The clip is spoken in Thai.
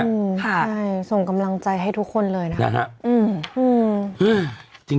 ใช่ส่งกำลังใจให้ทุกคนเลยนะครับ